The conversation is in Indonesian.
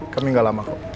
kami gak lama kok